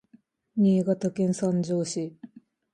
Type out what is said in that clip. Niigataken sanjo si